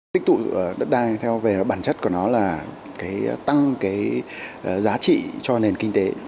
tích tụ dụng đất đai theo về bản chất của nó là tăng giá trị cho nền kinh tế